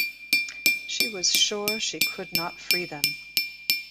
She was sure she could not free them.